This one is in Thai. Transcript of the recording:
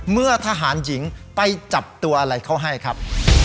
เมื่อทหารหญิงไปจับตัวอะไรเขาให้ครับ